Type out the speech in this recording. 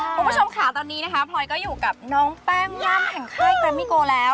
เพื่อผู้ชมข่าวตอนนี้นะคะพลอยก็อยู่กับน้องแป้งน้ำแห่งไข้กรมมิโกแล้ว